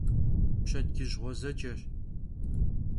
Pşedcıj ğuezeceş.